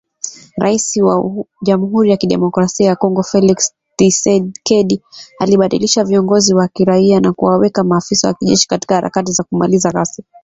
Rais wa Jamhuri ya Kidemokrasia ya Kongo, Felix Thisekedi alibadilisha viongozi wa kiraia na kuwaweka maafisa wa kijeshi katika harakati za kumaliza ghasia